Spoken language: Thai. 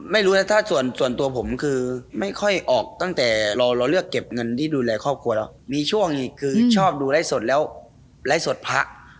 หนึ่งซึ่งตัวเหมือนที่ดูแลขอบคุณมีช่วงชอบดูรายสดแล้วรายสดพระ